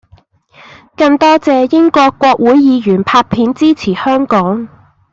更多謝英國國會議員拍片支持香港